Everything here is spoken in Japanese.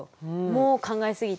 もう考えすぎて。